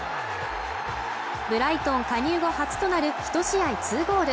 ブライトン加入後初となる１試合２ゴール